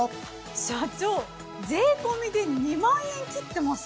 社長税込で２万円切ってます？